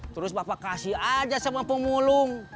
terus bapak kasih aja sama pemulung